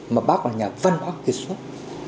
mà bác là nhà văn hóa kỳ xuất